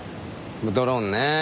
ドローンね。